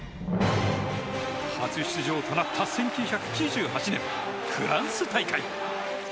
初出場となった１９９８年フランス大会。